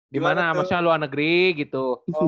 di mana maksudnya luar negeri gitu